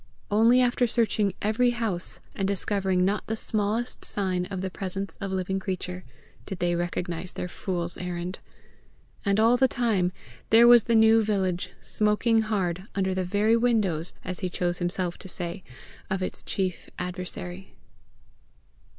Only after searching every house, and discovering not the smallest sign of the presence of living creature, did they recognize their fool's errand. And all the time there was the new village, smoking hard, under the very windows, as he chose himself to say, of its chief adversary!